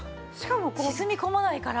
沈み込まないから。